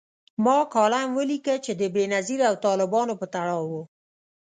ما کالم ولیکه چي د بېنظیر او طالبانو په تړاو و